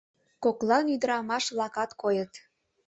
Коклан ӱдырамаш-влакат койыт.